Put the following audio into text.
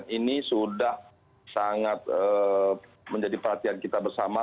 ini sudah sangat menjadi perhatian kita bersama